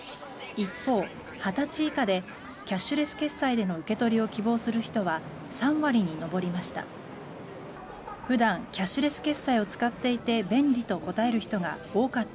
一方、２０歳以下でキャッシュレス決済での受け取りを希望する人は３割に上りました。